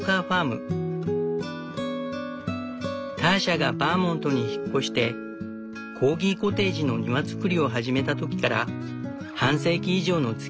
ターシャがバーモントに引っ越してコーギコテージの庭造りを始めた時から半世紀以上のつきあいになる。